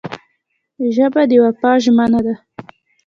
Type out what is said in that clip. ژبه د وفا ژمنه ده